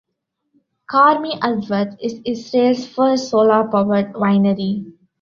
Carmey Avdat is Israel's first solar-powered winery.